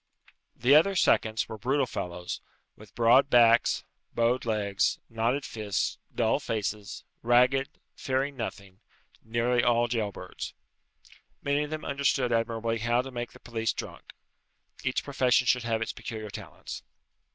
The other seconds were brutal fellows, with broad backs, bowed legs, knotted fists, dull faces; ragged, fearing nothing, nearly all jail birds. Many of them understood admirably how to make the police drunk. Each profession should have its peculiar talents.